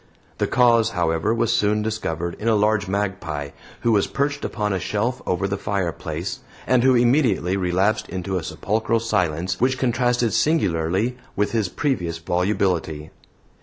The cause, however, was soon discovered in a large magpie who was perched upon a shelf over the fireplace, and who immediately relapsed into a sepulchral silence which contrasted singularly with his previous volubility.